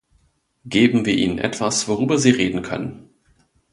Geben wir ihnen etwas, worüber sie reden können!